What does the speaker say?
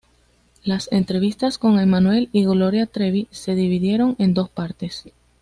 Las entrevistas con Emmanuel y Gloria Trevi se dividieron en dos partes.